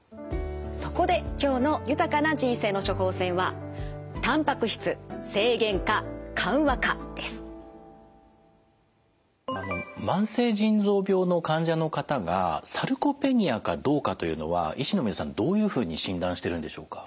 そこで今日の「豊かな人生の処方せん」は慢性腎臓病の患者の方がサルコペニアかどうかというのは医師の皆さんどういうふうに診断してるんでしょうか？